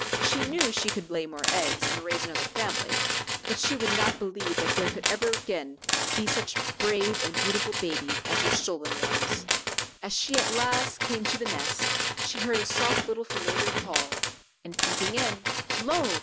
She knew she could lay more eggs and raise another family, but she would not believe that there could ever again be such brave and beautiful babies as her stolen ones. As she at last came to the nest, she heard a soft little familiar call, and peeping in lo!